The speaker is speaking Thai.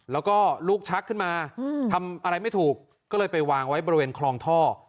แล้วก็ลูกชักขึ้นมาทำอะไรไม่ถูกก็เลยไปวางไว้บริเวณคลองท่อ